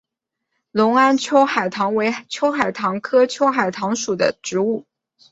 隆安秋海棠为秋海棠科秋海棠属的植物。